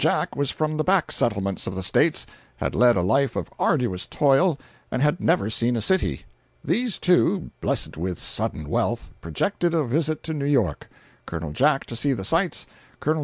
Jack was from the back settlements of the States, had led a life of arduous toil, and had never seen a city. These two, blessed with sudden wealth, projected a visit to New York,—Col. Jack to see the sights, and Col.